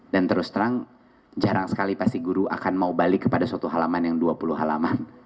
dan terus terang jarang sekali pasti guru akan mau balik kepada suatu halaman yang dua puluh halaman